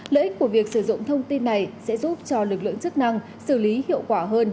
lợi ích của việc sử dụng thông tin này sẽ giúp cho lực lượng chức năng xử lý hiệu quả hơn